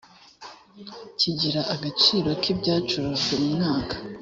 kigira agaciro k’ ibyacurujwe mu mwaka .